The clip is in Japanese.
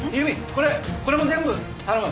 これこれも全部頼む。